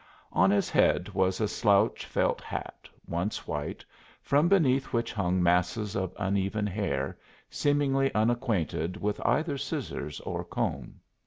On his head was a slouch felt hat, once white, from beneath which hung masses of uneven hair, seemingly unacquainted with either scissors or comb.